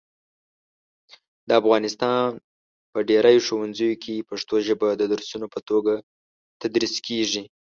د افغانستان په ډېری ښوونځیو کې پښتو ژبه د درسونو په توګه تدریس کېږي.